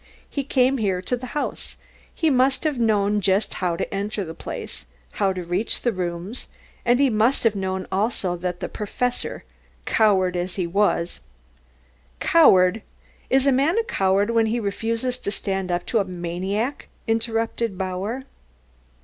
He came here to the house, he must have known just how to enter the place, how to reach the rooms, and he must have known also, that the Professor, coward as he was " "Coward? Is a man a coward when he refuses to stand up to a maniac?" interrupted Bauer.